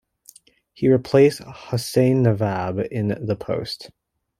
He replaced Hossein Navab in the post.